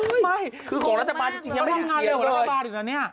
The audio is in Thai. ไม่คือกล่องงานเร็วกว่ารัฐบาลอยู่แล้วเนี่ย